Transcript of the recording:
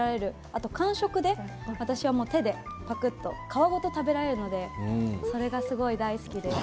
あと間食で私は手でパクっと皮ごと食べられるので、それが好きです。